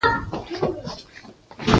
سپین ږیری د ماشومانو لپاره د ژوند درسونه لري